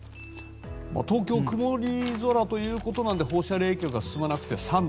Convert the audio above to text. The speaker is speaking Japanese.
東京曇り空ということなので放射冷却が進まなくて３度。